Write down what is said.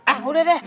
ah udah deh